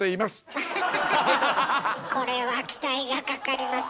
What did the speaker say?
これは期待がかかります。